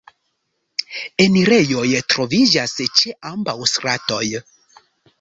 Enirejoj troviĝas ĉe ambaŭ stratoj.